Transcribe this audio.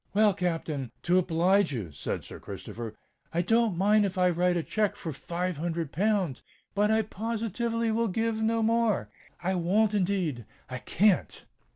"Well, Captain—to oblige you," said Sir Christopher, "I don't mind if I write a cheque for five hundred pounds; but I positively will give no more—I won't indeed—I can't."